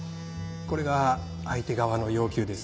これが相手側の要求です。